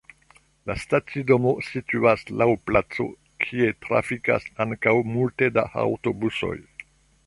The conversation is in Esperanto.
La stacidomo situas laŭ placo, kie trafikas ankaŭ multe da aŭtobusoj.